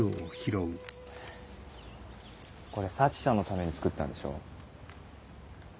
これ沙智ちゃんのために作ったんでしょ？